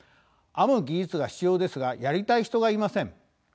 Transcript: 編む技術が必要ですがやりたい人がいません。